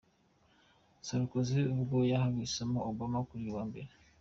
Sarkozy ubwo yahaga isomo Obama kuri uyu wa mbere.